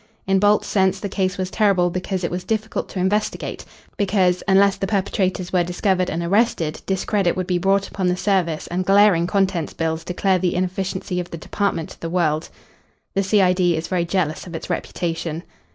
In Bolt's sense the case was terrible because it was difficult to investigate; because, unless the perpetrators were discovered and arrested, discredit would be brought upon the service and glaring contents bills declare the inefficiency of the department to the world. The C.I.D. is very jealous of its reputation.